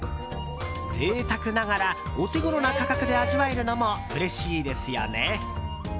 贅沢ながら、お手ごろな価格で味わえるのもうれしいですよね。